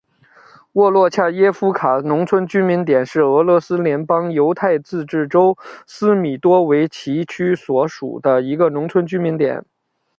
沃洛恰耶夫卡农村居民点是俄罗斯联邦犹太自治州斯米多维奇区所属的一个农村居民点。